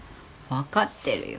分かってるよ